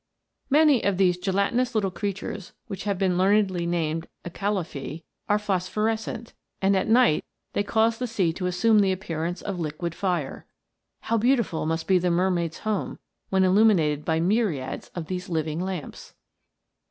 f Many of these gelatinous little creatures, which have been learnedly named Acalephce, are phospho rescent, and at night they cause the sea to assume the appearance of liquid fire. How beautiful must be the mermaid's home, when illuminated by myriads of these living lamps